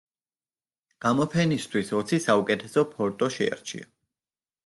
გამოფენისთვის ოცი საუკეთესო ფოტო შეარჩია.